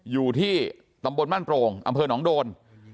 อยู่ที่ตำบลบ้านโปร่งอำเภอหนองโดน